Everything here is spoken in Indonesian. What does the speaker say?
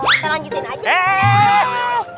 saya lanjutin aja